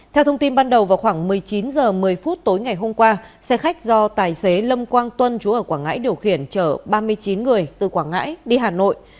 theo thông tin ban đầu vào khoảng một mươi chín h một mươi phút tối ngày hôm qua xe khách do tài xế lâm quang tuân chú ở quảng ngãi điều khiển chở ba mươi chín người từ quảng ngãi đi hà nội